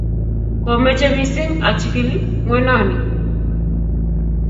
komeche mising achikil ng'wenoni